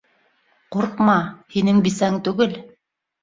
Ҡурҡма, һинең бисәң түгел.